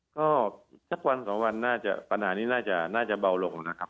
ก็สักวันสองวันน่าจะปัญหานี้น่าจะเบาลงนะครับ